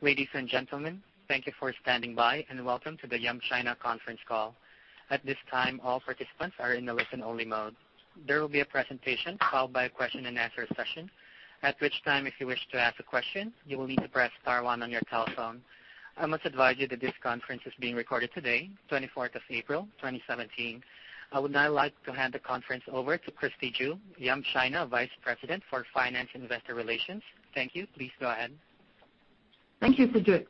Ladies and gentlemen, thank you for standing by. Welcome to the Yum China conference call. At this time, all participants are in the listen-only mode. There will be a presentation followed by a question and answer session. At which time, if you wish to ask a question, you will need to press star one on your telephone. I must advise you that this conference is being recorded today, 24th of April 2017. I would now like to hand the conference over to Christie Ju, Yum China Vice President for Finance and Investor Relations. Thank you. Please go ahead. Thank you, Sajid.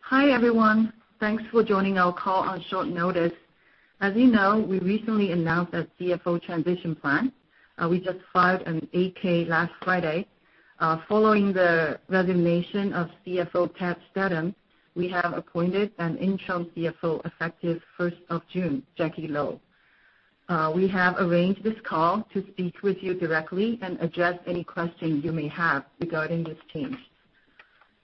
Hi, everyone. Thanks for joining our call on short notice. As you know, we recently announced a CFO transition plan. We just filed an 8-K last Friday. Following the resignation of CFO Ted Stedem, we have appointed an interim CFO effective 1st of June, Jacky Lo. We have arranged this call to speak with you directly and address any questions you may have regarding this change.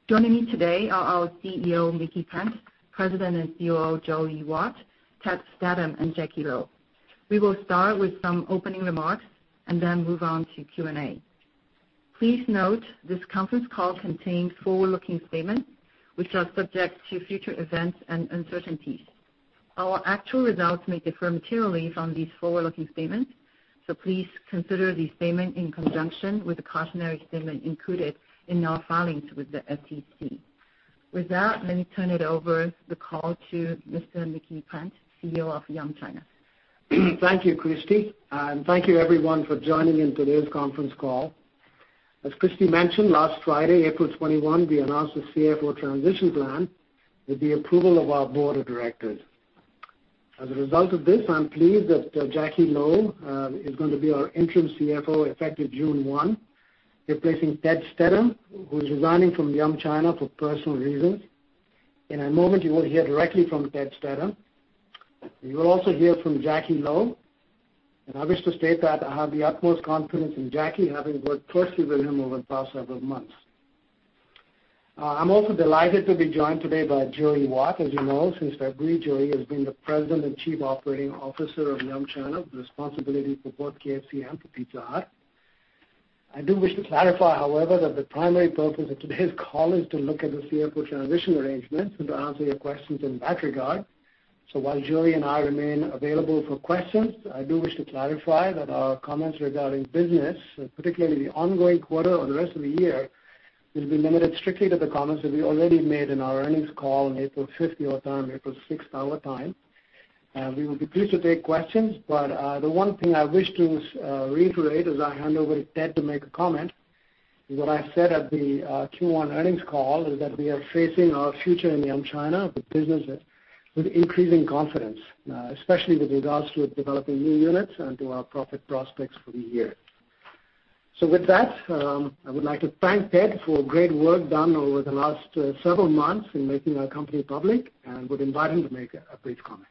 Joining me today are our CEO, Micky Pant, President and COO, Joey Wat, Ted Stedem, and Jacky Lo. We will start with some opening remarks. Then move on to Q&A. Please note this conference call contains forward-looking statements which are subject to future events and uncertainties. Our actual results may differ materially from these forward-looking statements. Please consider the statement in conjunction with the cautionary statement included in our filings with the SEC. With that, let me turn it over the call to Mr. Micky Pant, CEO of Yum China. Thank you, Christie. Thank you everyone for joining in today's conference call. As Christie mentioned, last Friday, April 21, we announced the CFO transition plan with the approval of our board of directors. As a result of this, I am pleased that Jacky Lo is going to be our interim CFO effective June one, replacing Ted Stedem, who is resigning from Yum China for personal reasons. In a moment, you will hear directly from Ted Stedem. You will also hear from Jacky Lo. I wish to state that I have the utmost confidence in Jacky, having worked closely with him over the past several months. I'm also delighted to be joined today by Joey Wat. As you know, since February, Joey has been the President and Chief Operating Officer of Yum China, with responsibility for both KFC and for Pizza Hut. I do wish to clarify, however, that the primary purpose of today's call is to look at the CFO transition arrangements and to answer your questions in that regard. While Joey and I remain available for questions, I do wish to clarify that our comments regarding business, particularly the ongoing quarter or the rest of the year, will be limited strictly to the comments that we already made in our earnings call on April fifth, your time, April sixth our time. We will be pleased to take questions, the one thing I wish to reiterate as I hand over to Ted to make a comment is what I said at the Q1 earnings call, is that we are facing our future in Yum China with business with increasing confidence, especially with regards to developing new units and to our profit prospects for the year. With that, I would like to thank Ted for great work done over the last several months in making our company public and would invite him to make a brief comment.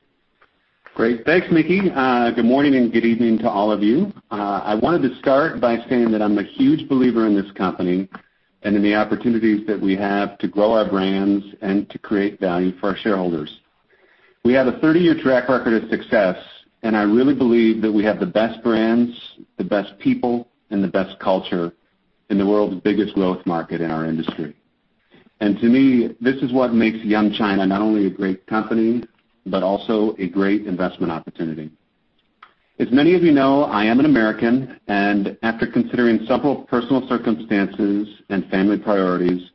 Great. Thanks, Micky. Good morning and good evening to all of you. I wanted to start by saying that I'm a huge believer in this company and in the opportunities that we have to grow our brands and to create value for our shareholders. We have a 30-year track record of success, I really believe that we have the best brands, the best people, and the best culture in the world's biggest growth market in our industry. To me, this is what makes Yum China not only a great company but also a great investment opportunity. As many of you know, I am an American, after considering several personal circumstances and family priorities,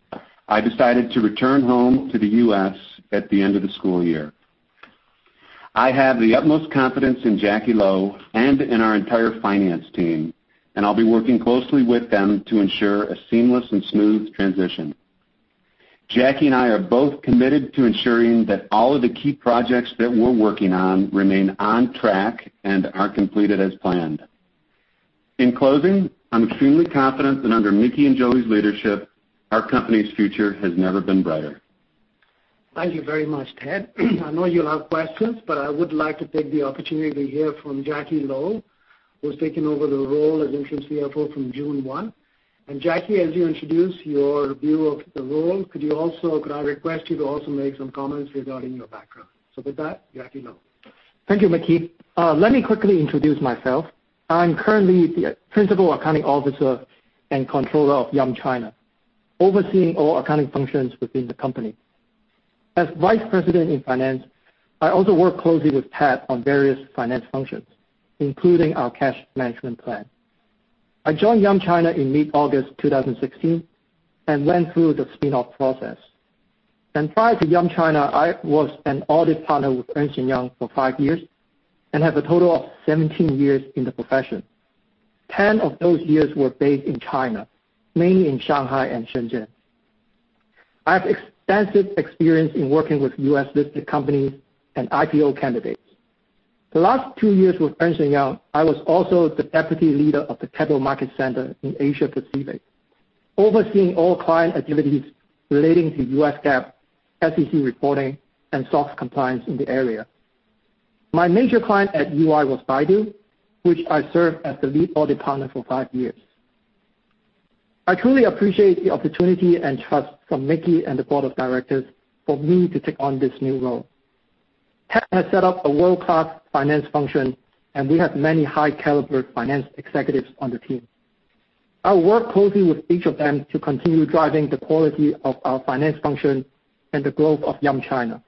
I decided to return home to the U.S. at the end of the school year. I have the utmost confidence in Jacky Lo and in our entire finance team, I'll be working closely with them to ensure a seamless and smooth transition. Jacky and I are both committed to ensuring that all of the key projects that we're working on remain on track and are completed as planned. In closing, I'm extremely confident that under Micky and Joey's leadership, our company's future has never been brighter. Thank you very much, Ted. I know you'll have questions, but I would like to take the opportunity to hear from Jacky Lo, who's taking over the role as interim CFO from June 1. Jacky, as you introduce your view of the role, could I request you to also make some comments regarding your background? With that, Jacky Lo. Thank you, Micky. Let me quickly introduce myself. I'm currently the Principal Accounting Officer and Controller of Yum China, overseeing all accounting functions within the company. As Vice President in Finance, I also work closely with Ted on various finance functions, including our cash management plan. I joined Yum China in mid-August 2016 and went through the spin-off process. Prior to Yum China, I was an audit partner with Ernst & Young for five years and have a total of 17 years in the profession. 10 of those years were based in China, mainly in Shanghai and Shenzhen. I have extensive experience in working with U.S. listed companies and IPO candidates. The last two years with Ernst & Young, I was also the deputy leader of the capital market center in Asia Pacific, overseeing all client activities relating to U.S. GAAP, SEC reporting, and SOX compliance in the area. My major client at EY was Baidu, which I served as the lead audit partner for five years. I truly appreciate the opportunity and trust from Micky and the board of directors for me to take on this new role. Ted has set up a world-class finance function, and we have many high-caliber finance executives on the team. I'll work closely with each of them to continue driving the quality of our finance function and the growth of Yum China.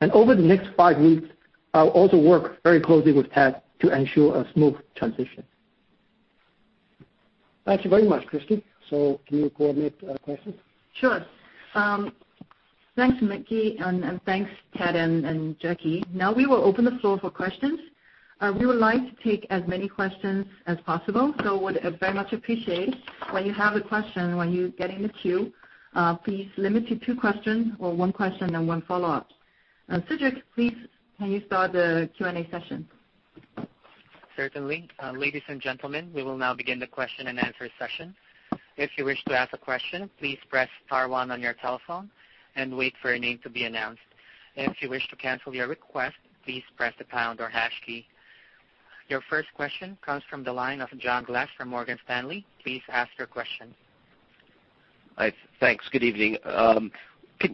Over the next five weeks, I'll also work very closely with Ted to ensure a smooth transition. Thank you very much, Christie. Can you coordinate the questions? Sure. Thanks, Micky, and thanks Ted and Jacky. Now we will open the floor for questions. Would very much appreciate when you have a question, when you get in the queue, please limit to 2 questions, or one question and one follow-up. Cedric, please, can you start the Q&A session? Certainly. Ladies and gentlemen, we will now begin the question and answer session. If you wish to ask a question, please press star one on your telephone and wait for your name to be announced. If you wish to cancel your request, please press the pound or hash key. Your first question comes from the line of John Glass from Morgan Stanley. Please ask your question. Hi. Thanks. Good evening.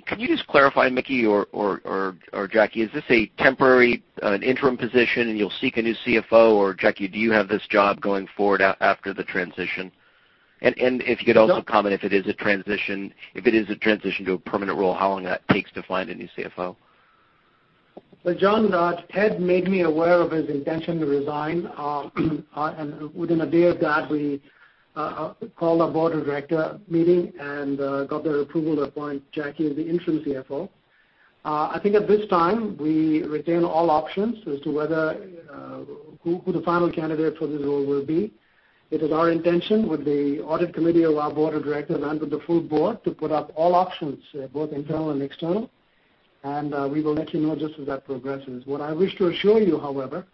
Can you just clarify, Micky or Jacky, is this a temporary, an interim position and you'll seek a new CFO? Jacky, do you have this job going forward after the transition? If you could also comment, if it is a transition to a permanent role, how long that takes to find a new CFO? John, Ted made me aware of his intention to resign, and within a day of that, we called a board of director meeting and got their approval to appoint Jacky as the interim CFO. I think at this time, we retain all options as to who the final candidate for this role will be. It is our intention with the audit committee of our board of directors and with the full board to put up all options, both internal and external. We will let you know just as that progresses. What I wish to assure you, however,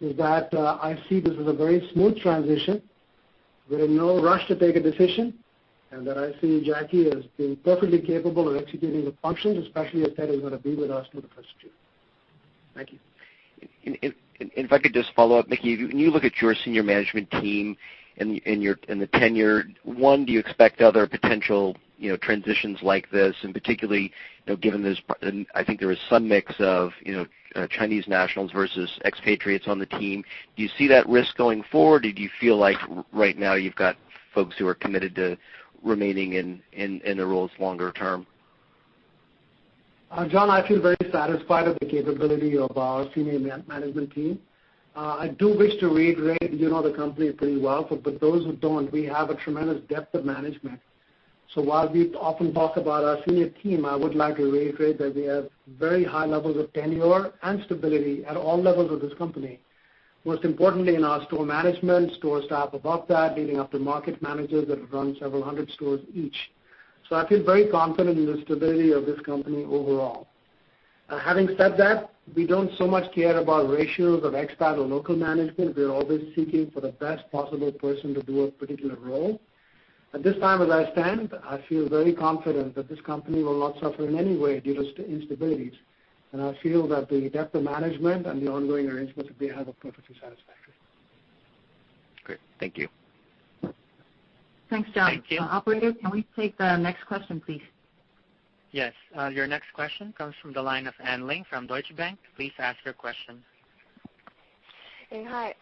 is that I see this as a very smooth transition. We're in no rush to take a decision, and that I see Jacky as being perfectly capable of executing the functions, especially as Ted is going to be with us for the first two. Thank you. If I could just follow up, Micky, when you look at your senior management team and the tenure, one, do you expect other potential transitions like this? Particularly, I think there is some mix of Chinese nationals versus expatriates on the team. Do you see that risk going forward? Do you feel like right now you've got folks who are committed to remaining in the roles longer term? John, I feel very satisfied with the capability of our senior management team. I do wish to reiterate, you know the company pretty well, but for those who don't, we have a tremendous depth of management. While we often talk about our senior team, I would like to reiterate that we have very high levels of tenure and stability at all levels of this company. Most importantly, in our store management, store staff above that, leading up to market managers that run several hundred stores each. I feel very confident in the stability of this company overall. Having said that, we don't so much care about ratios of expat or local management. We are always seeking for the best possible person to do a particular role. At this time, as I stand, I feel very confident that this company will not suffer in any way due to instabilities. I feel that the depth of management and the ongoing arrangements that we have are perfectly satisfactory. Great. Thank you. Thanks, John. Thank you. Operator, can we take the next question, please? Yes. Your next question comes from the line of Anne Ling from Deutsche Bank. Please ask your question. Hi.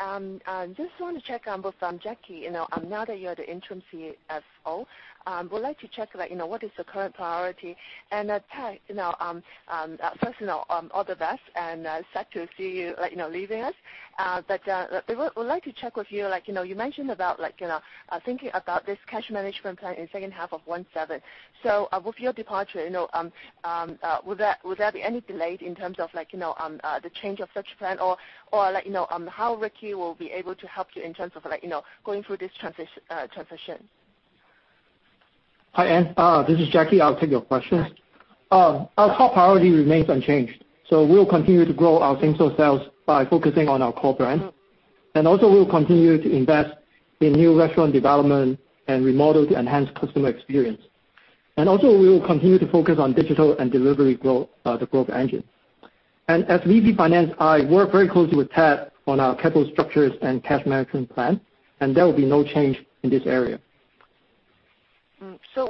Just want to check on both Jacky. Now that you're the interim CFO, would like to check, what is the current priority? Ted, first, all the best, and sad to see you leaving us. We would like to check with you mentioned about thinking about this cash management plan in second half of 2017. With your departure, will there be any delay in terms of the change of such plan? How Jacky will be able to help you in terms of going through this transition? Hi, Anne. This is Jacky. I'll take your question. Thanks. Our top priority remains unchanged. We'll continue to grow our same-store sales by focusing on our core brand. We'll continue to invest in new restaurant development and remodel to enhance customer experience. We will continue to focus on digital and delivery, the growth engine. As VP Finance, I work very closely with Ted on our capital structures and cash management plan, and there will be no change in this area.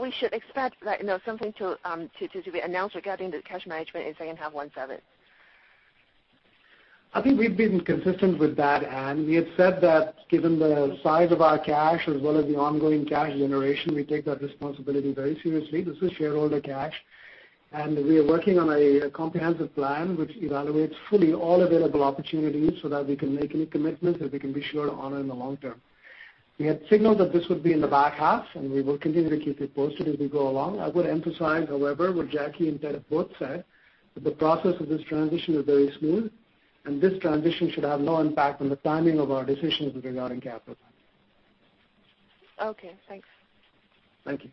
We should expect something to be announced regarding the cash management in second half 2017? I think we've been consistent with that, Anne. We had said that given the size of our cash as well as the ongoing cash generation, we take that responsibility very seriously. This is shareholder cash, and we are working on a comprehensive plan which evaluates fully all available opportunities so that we can make any commitments that we can be sure to honor in the long term. We had signaled that this would be in the back half, we will continue to keep you posted as we go along. I would emphasize, however, what Jacky and Ted both said, that the process of this transition is very smooth, and this transition should have no impact on the timing of our decisions with regarding capital plans. Okay. Thanks. Thank you.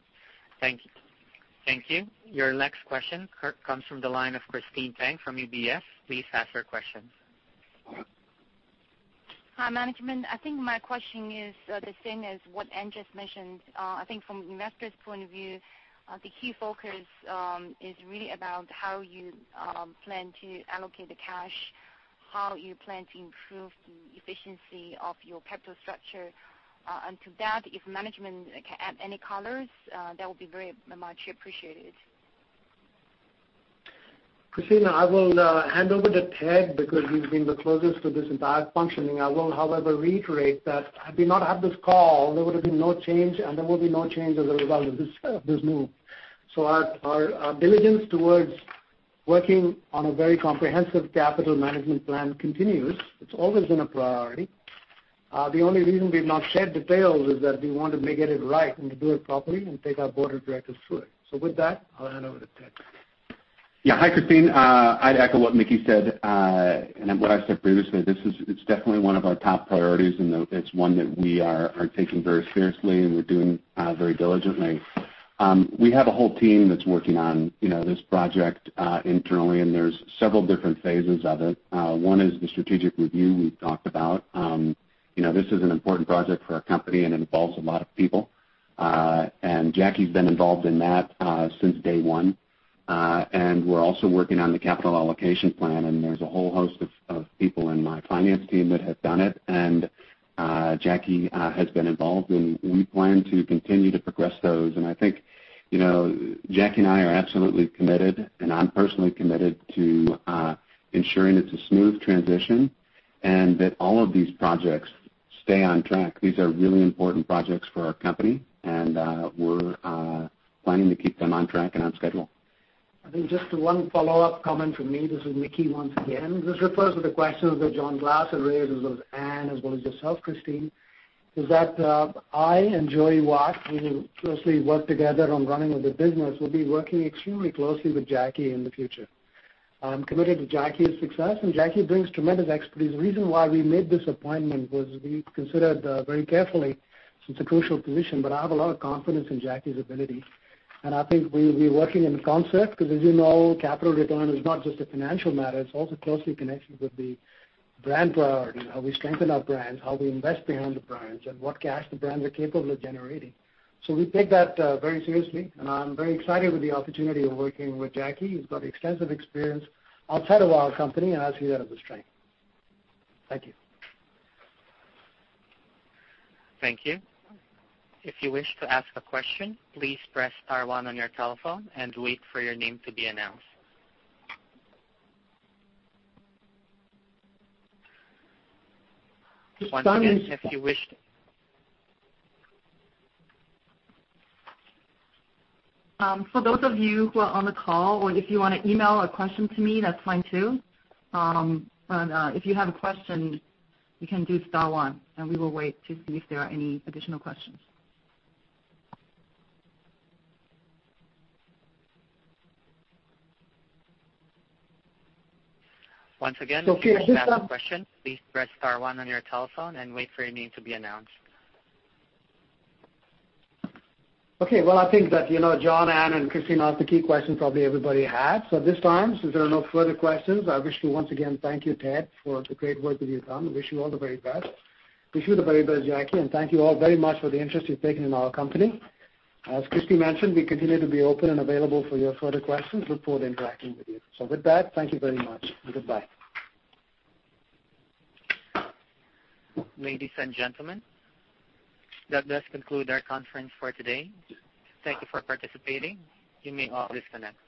Thank you. Your next question, comes from the line of Christine Peng from UBS. Please ask your question. Hi, management. I think my question is the same as what Anne just mentioned. I think from investors' point of view, the key focus is really about how you plan to allocate the cash. How you plan to improve the efficiency of your capital structure? To that, if management can add any colors, that will be very much appreciated. Christine, I will hand over to Ted because he's been the closest to this entire functioning. I will, however, reiterate that had we not had this call, there would have been no change, and there will be no change as a result of this move. Our diligence towards working on a very comprehensive capital management plan continues. It's always been a priority. The only reason we've not shared details is that we want to make it right and to do it properly and take our board of directors through it. With that, I'll hand over to Ted. Hi, Christine. I'd echo what Micky said, and what I said previously. It's definitely one of our top priorities, and it's one that we are taking very seriously, and we're doing very diligently. We have a whole team that's working on this project internally, and there's several different phases of it. One is the strategic review we talked about. This is an important project for our company and involves a lot of people. Jacky's been involved in that since day one. We're also working on the capital allocation plan, and there's a whole host of people in my finance team that have done it. Jacky has been involved, and we plan to continue to progress those. I think, Jackie and I are absolutely committed, and I'm personally committed to ensuring it's a smooth transition and that all of these projects stay on track. These are really important projects for our company, and we're planning to keep them on track and on schedule. I think just one follow-up comment from me. This is Micky once again. This refers to the questions that John Glass had raised, as was Anne, as well as yourself, Christine. Is that I and Joey Wat, we will closely work together on running the business, will be working extremely closely with Jacky in the future. I'm committed to Jacky's success, and Jacky brings tremendous expertise. The reason why we made this appointment was we considered very carefully since the crucial position, but I have a lot of confidence in Jacky's ability. I think we'll be working in concert because as you know, capital return is not just a financial matter, it's also closely connected with the brand power and how we strengthen our brands, how we invest behind the brands, and what cash the brands are capable of generating. We take that very seriously, and I'm very excited with the opportunity of working with Jacky, who's got extensive experience outside of our company, and I see that as a strength. Thank you. Thank you. If you wish to ask a question, please press star one on your telephone and wait for your name to be announced. Once again. For those of you who are on the call or if you want to email a question to me, that's fine too. If you have a question, you can do star one, and we will wait to see if there are any additional questions. Once again. Okay, at this time. If you have a question, please press star one on your telephone and wait for your name to be announced. Okay. Well, I think that John, Anne, and Christine asked the key questions probably everybody had. At this time, since there are no further questions, I wish to once again thank you, Ted, for the great work that you've done. Wish you all the very best. Wish you the very best, Jacky, and thank you all very much for the interest you've taken in our company. As Christie mentioned, we continue to be open and available for your further questions. Look forward to interacting with you. With that, thank you very much, and goodbye. Ladies and gentlemen, that does conclude our conference for today. Thank you for participating. You may all disconnect.